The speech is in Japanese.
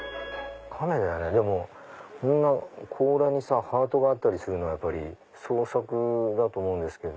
でも甲羅にハートがあったりするのは創作だと思うんですけど。